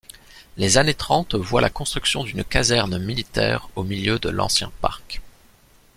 Les années trente voient la construction d’une caserne militaire au milieu de l’ancien parc.